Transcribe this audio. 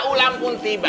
ulam pun tiba